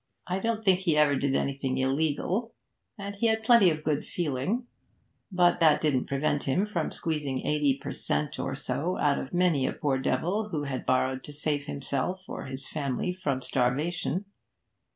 I don't think he ever did anything illegal, and he had plenty of good feeling, but that didn't prevent him from squeezing eighty per cent, or so out of many a poor devil who had borrowed to save himself or his family from starvation.